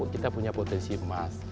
kita punya potensi emas